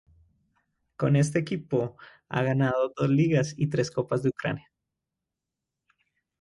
Con este equipo ha ganado dos Ligas y tres Copas de Ucrania.